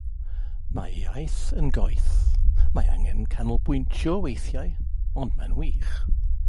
Mae'r iaith yn goeth, mae angen canolbwyntio weithiau ond mae'n wych.